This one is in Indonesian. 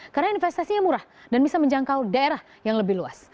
karena investasinya murah dan bisa menjangkau daerah yang lebih luas